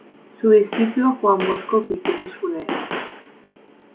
Su discípulo Juan Bosco ofició sus funerales.